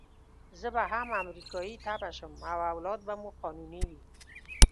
زه به هم امریکایي تبعه شم او اولاد به مو قانوني وي.